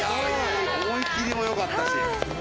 思い切りもよかったし。